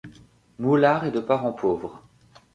Moulart est de parents pauvres.